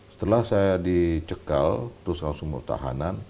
setelah saya dicekal terus langsung mau tahanan